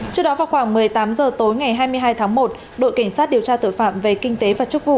trước đó vào khoảng một mươi tám h tối ngày hai mươi hai tháng một đội cảnh sát điều tra tội phạm về kinh tế và chức vụ